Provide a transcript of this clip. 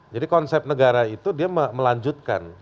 jadi konsep negara itu dia melanjutkan